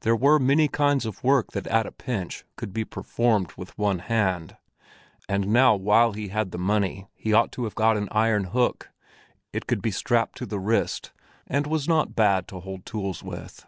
There were many kinds of work that at a pinch could be performed with one hand; and now while he had the money he ought to have got an iron hook; it could be strapped to the wrist, and was not bad to hold tools with.